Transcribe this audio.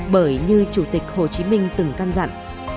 bởi như chủ tịch hồ chí minh từng căn dặn